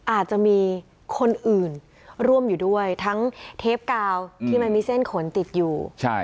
อาจจะมีคนอื่นร่วมอยู่ด้วยทั้งเทปกาวที่มันมีเส้นขนติดอยู่